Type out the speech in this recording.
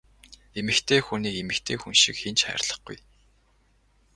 Эмэгтэй хүнийг эмэгтэй хүн шиг хэн ч хайрлахгүй!